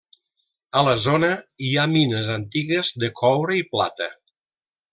A la zona hi ha mines antigues de coure i plata.